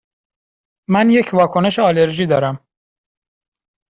من یک واکنش آلرژی دارم.